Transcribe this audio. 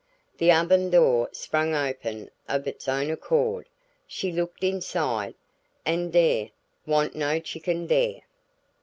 The oven door sprang open of its own accord; she looked inside, and "dere wa'n't no chicken dere!"